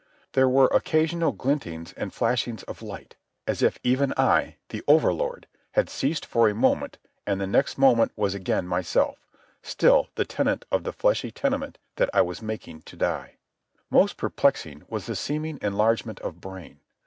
There were occasional glintings and flashings of light as if even I, the overlord, had ceased for a moment and the next moment was again myself, still the tenant of the fleshly tenement that I was making to die. Most perplexing was the seeming enlargement of brain.